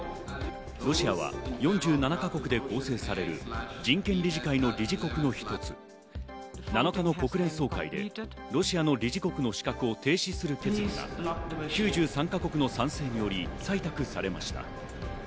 ロシアは４７か国で構成される人権理事会の理事国の一つ、７日の国連総会でロシアの理事国の資格を停止する決議が９３か国の賛成により採択されました。